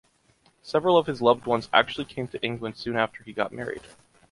Several of his loved ones actually came to England soon after he got married.